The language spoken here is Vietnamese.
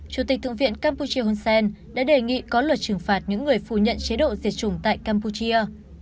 chủ tịch thượng viện campuchia hun sen đã đề nghị có luật trừng phạt những người phù nhận chế độ diệt chủng tại campuchia